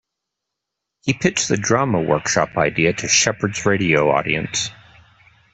He pitched the drama workshop idea to Shepherd's radio audience.